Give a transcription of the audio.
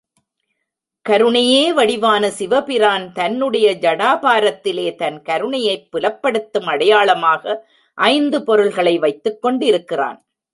கருணையே வடிவான சிவபிரான் தன்னுடைய ஜடாபாரத்திலே தன் கருணையைப் புலப்படுத்தும் அடையாளமாக ஐந்து பொருள்களை வைத்துக் கொண்டிருக்கிறான்.